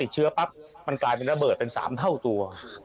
เชื้อกลายเป็นระเบิก๓เท่าตัว